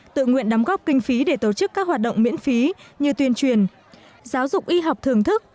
tự nguyện đóng góp kinh phí để tổ chức các hoạt động miễn phí như tuyên truyền giáo dục y học thưởng thức